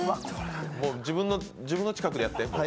自分の近くでやって。